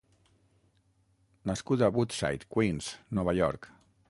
Nascut a Woodside, Queens, Nova York.